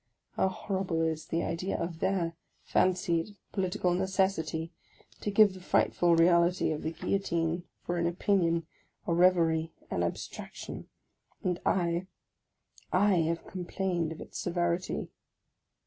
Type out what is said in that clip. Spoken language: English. How horrible is the idea of their (fancied) political necessity, to give the frightful reality of the guillo tine for an opinion, a reverie, an abstraction !— And I ! 7 have complained of its severity